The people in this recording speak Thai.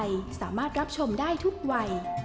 กลับมาสวัสดีค่ะ